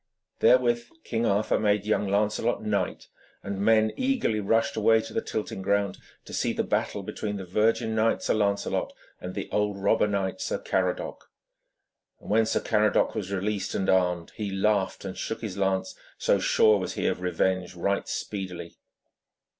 Therewith King Arthur made young Lancelot knight, and men eagerly rushed away to the tilting ground to see the battle between the virgin knight, Sir Lancelot, and the old robber knight, Sir Caradoc. And when Sir Caradoc was released and armed, he laughed and shook his lance, so sure was he of revenge right speedily.